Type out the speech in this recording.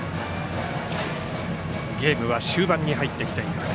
ゲームは終盤に入ってきています。